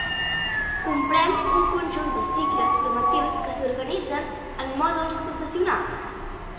Comprèn un conjunt de cicles formatius que s'organitzen en mòduls professionals.